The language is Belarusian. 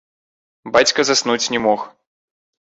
Бацька заснуць не мог.